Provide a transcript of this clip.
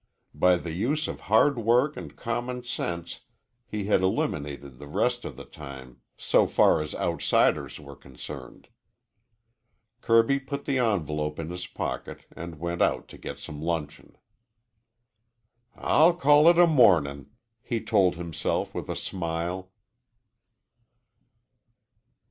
By the use of hard work and common sense he had eliminated the rest of the time so far as outsiders were concerned. Kirby put the envelope in his pocket and went out to get some luncheon. "I'll call it a mornin'," he told himself with a smile.